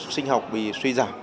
sinh học bị suy giảm